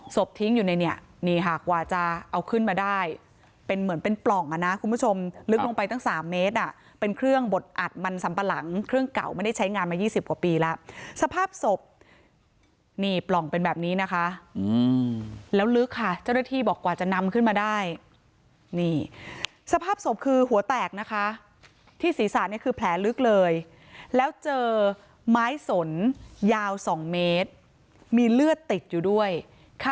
ศพทิ้งอยู่ในนี้นี่หากว่าจะเอาขึ้นมาได้เป็นเหมือนเป็นปล่องอ่ะนะคุณผู้ชมลึกลงไปตั้งสามเมตรอ่ะเป็นเครื่องบดอัดมันสัมปะหลังเครื่องเก่าไม่ได้ใช้งานมายี่สิบกว่าปีแล้วสภาพศพนี่ปล่องเป็นแบบนี้นะคะอืมแล้วลึกค่ะเจ้าหน้าที่บอกว่าจะนำขึ้นมาได้นี่สภาพศพคือหัวแตกนะคะที่ศีรษะเนี่ยค